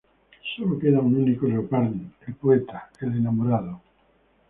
Solo queda un único Leopardi, el poeta, el enamorado.